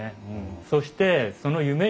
そしてそのあっ！